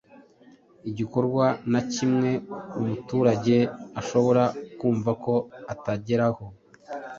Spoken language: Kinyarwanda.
gikorwa na kimwe umuturage ashobora kumva ko atageraho